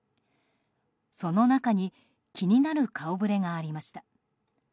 その中に気になる顔ぶれがありました。